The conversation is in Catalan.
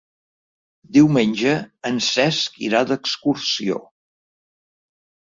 Diumenge en Cesc irà d'excursió.